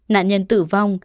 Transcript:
nạn nhân tử vong